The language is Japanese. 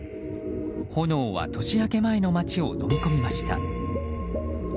炎は年明け前の街をのみ込みました。